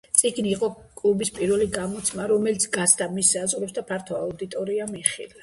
წიგნი იყო კლუბის პირველი გამოცემა, რომელიც გასცდა მის საზღვრებს და ფართო აუდიტორიამ იხილა.